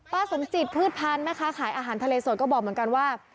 สมจิตพืชพันธ์แม่ค้าขายอาหารทะเลสดก็บอกเหมือนกันว่า